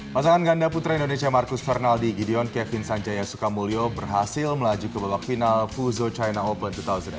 pasangan ganda putra indonesia marcus fernaldi gideon kevin sanjaya sukamulyo berhasil melaju ke babak final fuzo china open dua ribu delapan belas